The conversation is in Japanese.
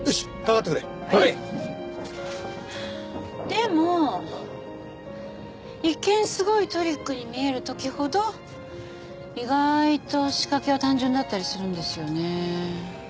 でも一見すごいトリックに見える時ほど意外と仕掛けは単純だったりするんですよねえ。